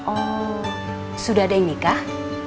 oh sudah deh nikah